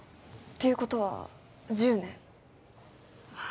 ていうことは１０年？